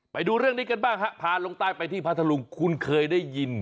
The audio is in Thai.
ไปดูเรื่องนี้กันบ้างฮะพาลงใต้ไปที่พัทธรุงคุณเคยได้ยิน